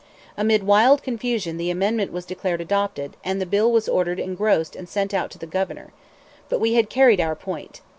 Amid wild confusion the amendment was declared adopted, and the bill was ordered engrossed and sent to the Governor. But we had carried our point.